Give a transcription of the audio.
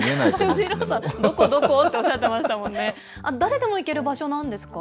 二郎さん、どこどこ？っておっしゃってましたもんね。